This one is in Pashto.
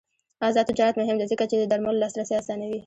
آزاد تجارت مهم دی ځکه چې د درملو لاسرسی اسانوي.